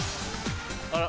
あら。